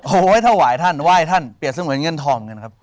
เอาไว้ให้ถ่วายท่านไหว้ให้ท่านเปรียบเสริมเป็นเงินทองเนี่ยนะครับ